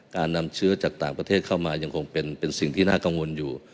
การนำเชื้อจากต่างประเทศเข้ามายังคงเป็นสิ่งที่น่ากังวลอยู่